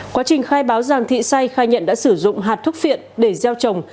quá trình khai báo giang thị say khai nhận đã sử dụng hạt thuốc phiện để gieo trồng